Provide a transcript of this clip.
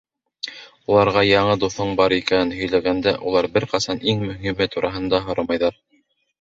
Уларға яңы дуҫың бар икәнен һөйләгәндә, улар бер ҡасан иң мөһиме тураһыда һорамайҙар.